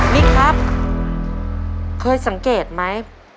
มิ๊กครับเคยสังเกตมั้ย